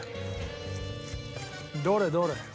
どれどれ。